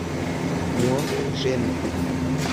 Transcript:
moi, j'aime.